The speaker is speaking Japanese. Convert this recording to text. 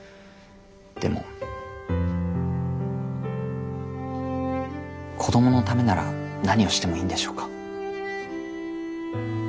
でも子供のためなら何をしてもいいんでしょうか？